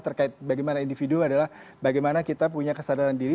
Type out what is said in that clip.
terkait bagaimana individu adalah bagaimana kita punya kesadaran diri